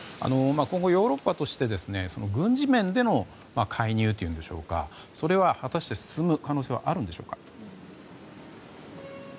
今後ヨーロッパとして軍事面での介入というんでしょうかそれは、果たして進む可能性はあるでしょうか。